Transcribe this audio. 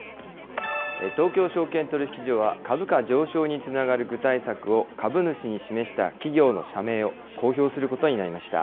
東京証券取引所は、株価上昇につながる具体策を株主に示した企業の社名を公表することになりました。